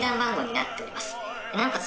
なおかつ